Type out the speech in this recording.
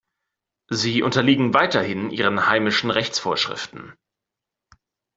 Sie unterliegen weiterhin ihren heimischen Rechtsvorschriften.